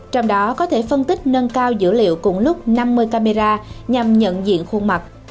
trong đó có thể phân tích nâng cao dữ liệu cùng lúc năm mươi camera nhằm nhận diện khuôn mặt